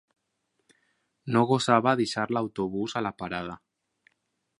No gosava deixar l'autobús a la parada